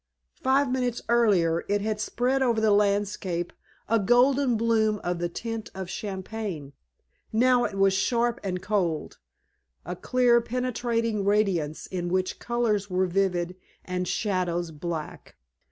Five minutes earlier it had spread over the landscape a golden bloom of the tint of champagne; now it was sharp and cold, a clear, penetrating radiance in which colors were vivid and shadows black.